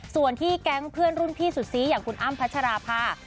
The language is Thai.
ส่วนที่แก๊งเพื่อนรุ่นพี่สุดซีอย่างคุณอ้ำพัชราภา